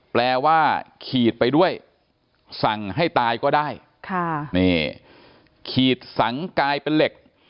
แปลว่าขีดไปด้วยสั่งให้ตายก็ได้ค่ะนี่ขีดสังกายเป็นเหล็ก